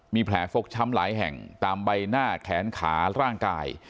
มีแผลฟกช้ำหลายแห่งตามใบหน้าแขนขาร่างกาย